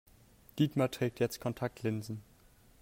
Dietmar trägt jetzt Kontaktlinsen.